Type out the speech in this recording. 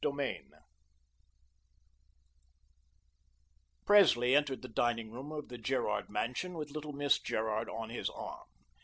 Presley entered the dining room of the Gerard mansion with little Miss Gerard on his arm.